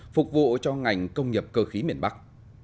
phục vụ cho ngành công nghiệp cơ khí miền bắc